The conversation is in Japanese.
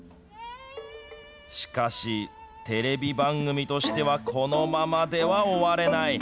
しかし、テレビ番組としてはこのままでは終われない。